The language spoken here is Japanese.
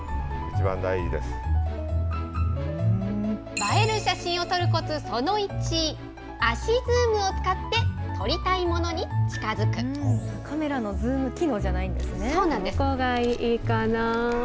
映える写真を撮るコツ、その１、足ズームを使って撮りたいもカメラのズーム機能じゃないどこがいいかな？